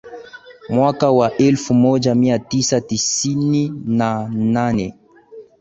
Mwaka wa elfu moja mia tisa tisini na nane